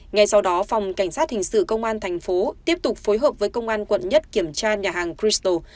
ngay sau đó phòng cảnh sát hình sự công an tp hcm tiếp tục phối hợp với công an quận một kiểm tra nhà hàng crystal